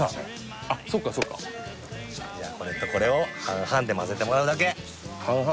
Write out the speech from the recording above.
そっかじゃあこれとこれを半々で混ぜてもらうだけ半々？